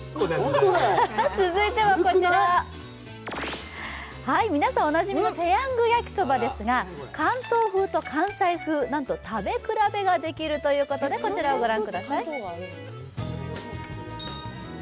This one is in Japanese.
続いては、皆さんおなじみのペヤングやきそばですが関東風と関西風、なんと食べ比べができるということでこちらをご覧ください。